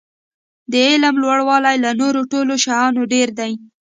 د علم لوړاوی له نورو ټولو شیانو ډېر دی.